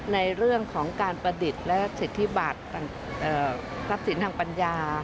ในเรื่องของการประดิษฐ์และสิทธิบัตรทรัพย์สินทางปัญญา